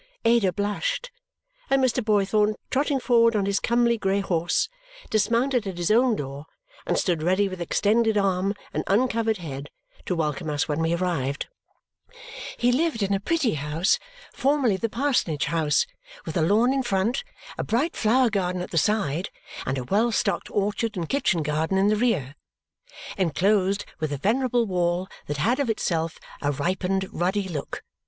Ada blushed, and Mr. Boythorn, trotting forward on his comely grey horse, dismounted at his own door and stood ready with extended arm and uncovered head to welcome us when we arrived. He lived in a pretty house, formerly the parsonage house, with a lawn in front, a bright flower garden at the side, and a well stocked orchard and kitchen garden in the rear, enclosed with a venerable wall that had of itself a ripened ruddy look.